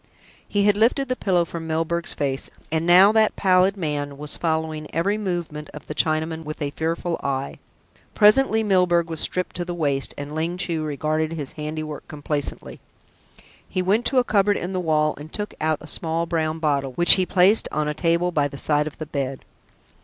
He had lifted the pillow from Milburgh's face, and now that pallid man was following every movement of the Chinaman with a fearful eye. Presently Milburgh was stripped to the waist, and Ling Chu regarded his handiwork complacently. He went to a cupboard in the wall, and took out a small brown bottle, which he placed on a table by the side of the bed.